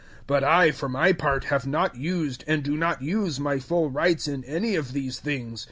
009:015 But I, for my part, have not used, and do not use, my full rights in any of these things.